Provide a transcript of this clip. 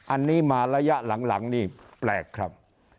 อันนี้มาระยะหลังนี่แปลกครับ